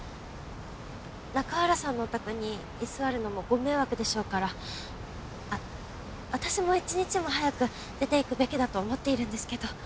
中原さんのお宅に居座るのもご迷惑でしょうから私も一日も早く出ていくべきだと思っているんですけど。